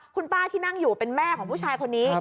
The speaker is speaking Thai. คุณป้าที่นั่งอยู่เป็นแม่ของผู้ชายคนนี้